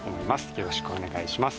よろしくお願いします。